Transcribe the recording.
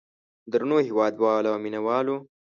درنو هېوادوالو او مینه والو.